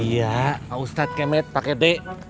iya pak ustadz kemet pake b